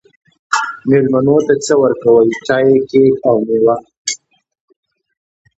میلمنو ته څه ورکوئ؟ چای، کیک او میوه